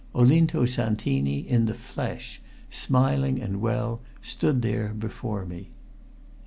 Olinto Santini in the flesh, smiling and well, stood there before me!